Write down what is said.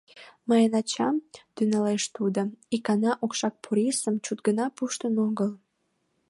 — Мыйын ачам, — тӱҥалеш тудо, — икана Окшак Порисым чуч гына пуштын огыл...